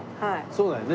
そうだよね